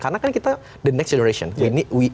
karena kan kita generasi seterusnya